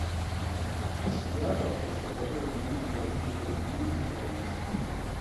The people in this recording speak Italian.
Ha studiato al conservatorio di musica "Luigi Cherubini" di Firenze.